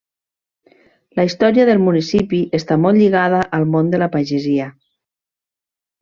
La història del municipi està molt lligada al món de la pagesia.